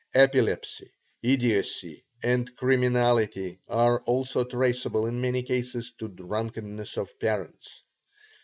Epilepsy, idiocy, and criminality are also traceable in many cases to drunkenness of parents.